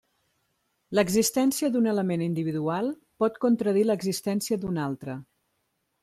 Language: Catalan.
L'existència d'un element individual pot contradir l'existència d'un altre.